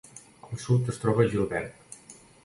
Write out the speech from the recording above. Al sud es troba Gilbert.